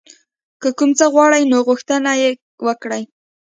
که کوم څه غواړئ نو غوښتنه یې وکړئ.